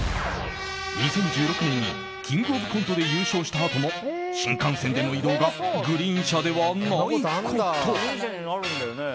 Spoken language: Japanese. ２０１６年に「キングオブコント」で優勝したあとも新幹線での移動がグリーン車ではないこと。